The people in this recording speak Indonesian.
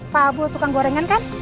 pak abu tukang gorengan kan